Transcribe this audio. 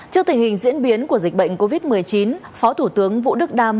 trước tình hình diễn biến của dịch bệnh covid một mươi chín phó thủ tướng vũ đức đam